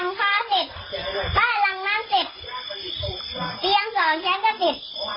พุ่งหลังพ่อเสร็จบ้านหลังน้ำเสร็จเจียงสองแช้นก็เสร็จ